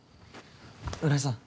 浦井さん。